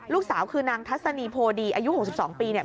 ลูกสาวคือนางทัศนีโพดีอายุ๖๒ปีเนี่ย